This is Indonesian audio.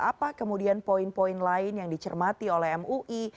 apa kemudian poin poin lain yang dicermati oleh mui